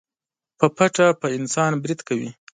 په پټه په انسان بريد کوي.